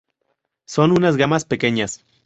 Son unas gambas pequeñas.